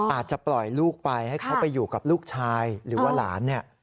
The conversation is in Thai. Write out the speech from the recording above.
อาจจะปล่อยลูกไปให้เขาไปอยู่กับลูกชายหรือว่าหลานเนี่ย